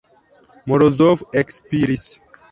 Morozov ekspiris.